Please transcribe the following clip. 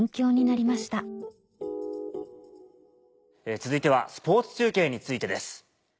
続いてはスポーツ中継についてです。